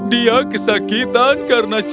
dia kesakitan karena dia marah